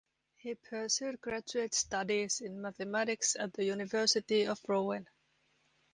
He pursued graduate studies in mathematics at the University of Rouen.